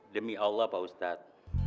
demi allah pak ustadz